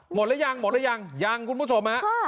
หมดแล้วยังหมดแล้วยังยังคุณผู้ชมฮะค่ะ